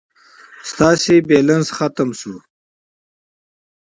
ستاسي بلينس ختم شوي